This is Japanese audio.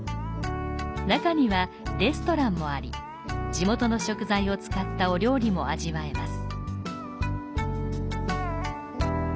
中にはレストランもあり、地元の食材を使ったお料理も味わえます。